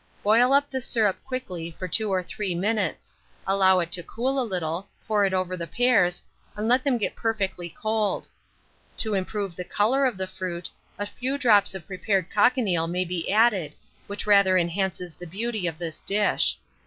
Boil up the syrup quickly for 2 or 3 minutes; allow it to cool a little, pour it over the pears, and let them get perfectly cold. To improve the colour of the fruit, a few drops of prepared cochineal may be added, which rather enhances the beauty of this dish.